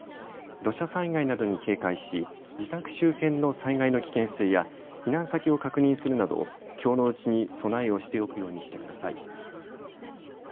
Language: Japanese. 土砂災害などに警戒し自宅周辺の災害の危険性や避難先を確認するなど、きょうのうちに備えをしておくようにしてください。